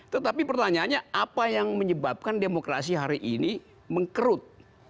tetapi pertanyaannya apa yang menyebabkan demokrasi hari ini mengkerut